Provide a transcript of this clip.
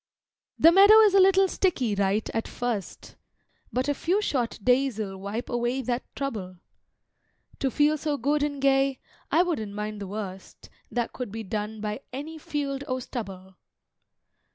The meadow is a little sticky right at first, But a few short days 'll wipe away that trouble. To feel so good and gay, I wouldn't mind the worst That could be done by any field o' stubble.